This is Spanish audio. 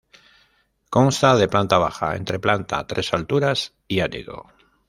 Consta de planta baja, entreplanta, tres alturas y ático.